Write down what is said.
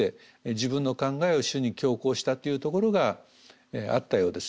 自分の考えを主に強行したっていうところがあったようです。